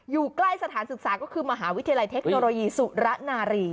อยู่ใกล้สถานศึกษาก็คือมหาวิทยาลัยเทคโนโลยีสุระนารี